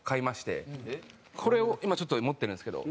これを今ちょっと持ってるんですけど。